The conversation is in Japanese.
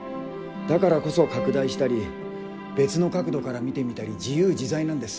だからこそ拡大したり別の角度から見てみたり自由自在なんです。